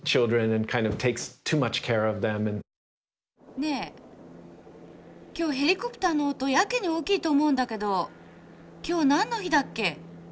ねえ今日ヘリコプターの音やけに大きいと思うんだけど今日何の日だっけ？